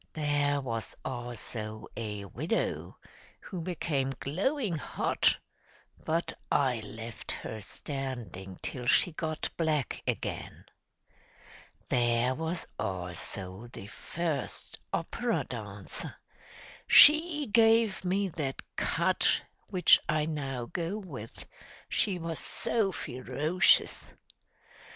There was also a widow, who became glowing hot, but I left her standing till she got black again; there was also the first opera dancer, she gave me that cut which I now go with, she was so ferocious!